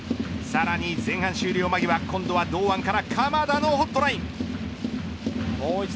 さらに前半終了間際今度は堂安から鎌田のホットライン。